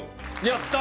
やった！